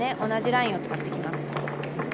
同じラインを使ってきます。